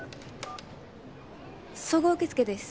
総合受付です。